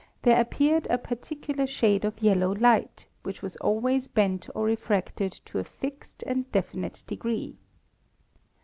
there appeared a particular shade of yellow light, which was always bent or refracted to a fixed and definite de gree.